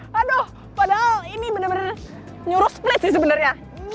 padahal ini bener bener nyuruh split sih sebenernya